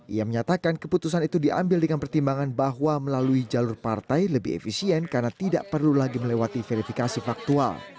ia menyatakan keputusan itu diambil dengan pertimbangan bahwa melalui jalur partai lebih efisien karena tidak perlu lagi melewati verifikasi faktual